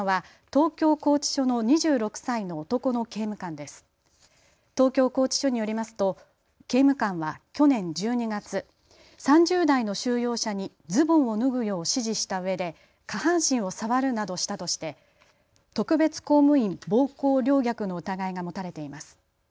東京拘置所によりますと刑務官は去年１２月、３０代の収容者にズボンを脱ぐよう指示したうえで下半身を触るなどしたとして特別公務員暴行陵虐の疑いが持たれています。